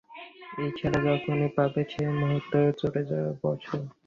ইশারা যখনই পাবে সেই মুহূর্তে চড়ে বসো।